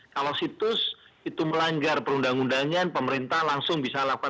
kalau situs itu melanggar perundang undangan pemerintah langsung bisa lakukan